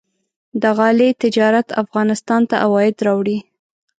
د غالۍ تجارت افغانستان ته عواید راوړي.